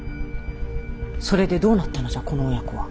それでどうなったのじゃこの親子は。